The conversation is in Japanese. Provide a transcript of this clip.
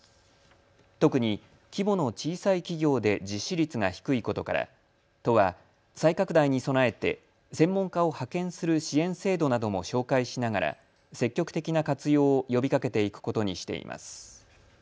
特に規模の小さい企業で実施率が低いことから都は再拡大に備えて専門家を派遣する支援制度なども紹介しながら積極的な活用を呼びかけていくことにしています。